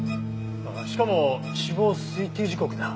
しかも死亡推定時刻だ。